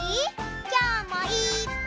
きょうもいっぱい。